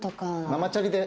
ママチャリで。